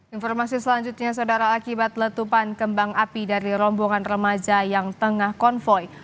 informasi selanjutnya saudara akibat letupan kembang api dari rombongan remaja yang tengah konvoy